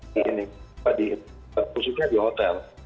positifnya di hotel